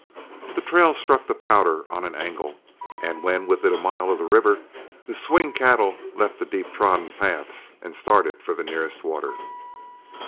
The trail struck the Powder on an angle, and when within a mile of the river, the swing cattle left the deep trodden paths and started for the nearest water.